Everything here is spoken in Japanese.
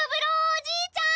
おじいちゃん